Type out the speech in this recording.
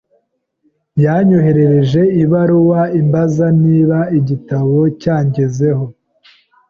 Yanyoherereje ibaruwa imbaza niba igitabo cyangezeho.